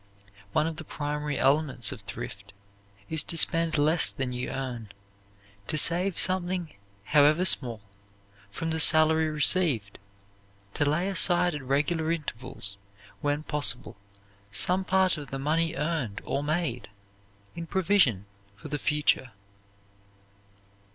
One of the primary elements of thrift is to spend less than you earn, to save something however small from the salary received, to lay aside at regular intervals when possible some part of the money earned or made, in provision for the future.